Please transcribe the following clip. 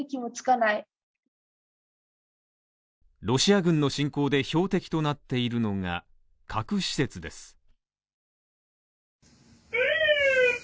ロシア軍の侵攻で標的となっているのが核施設です。